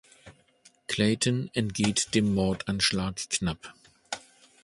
Clayton entgeht dem Mordanschlag knapp.